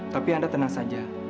tapi anda tenang saja